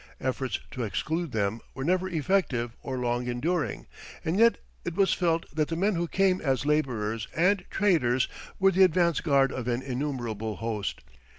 Efforts to exclude them were never effective or long enduring, and yet it was felt that the men who came as labourers and traders were the advance guard of an innumerable host.